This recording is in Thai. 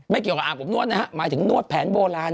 เกี่ยวกับอาบอบนวดนะฮะหมายถึงนวดแผนโบราณ